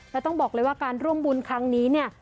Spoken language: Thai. แล้วต้องบอกเลยว่าการร่วมบุญครั้งนี้เนี่ย